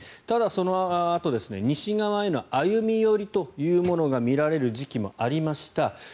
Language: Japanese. ただ、そのあと西側への歩み寄りというのが見られる時期もありました。